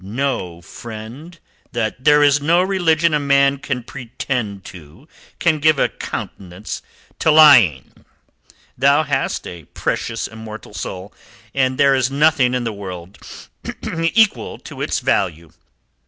"Know, friend, that there is no religion a man can pretend to can give a countenance to lying. Thou hast a precious immortal soul, and there is nothing in the world equal to it in value.